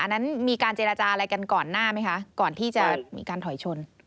อันนั้นมีการเจรจาอะไรกันก่อนหน้าไหมคะก่อนที่จะมีการถอยชน